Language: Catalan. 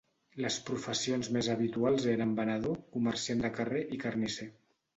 Les professions més habituals eren venedor, comerciant de carrer i carnisser.